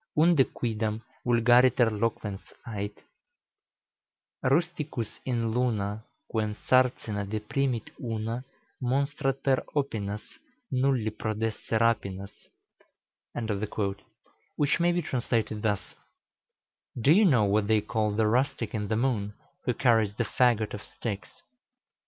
Unde quidam vulgariter loquens ait: "Rusticus in Luna, Quem sarcina deprimit una Monstrat per opinas Nulli prodesse rapinas," which may be translated thus: "Do you know what they call the rustic in the moon, who carries the fagot of sticks?"